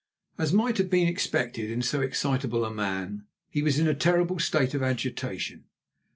As might have been expected in so excitable a man, he was in a terrible state of agitation.